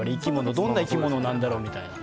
どんな生き物なんだろうみたいな。